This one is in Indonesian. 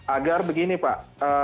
agar begini pak